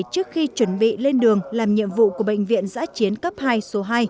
trước khi chuẩn bị lên đường làm nhiệm vụ của bệnh viện giã chiến cấp hai số hai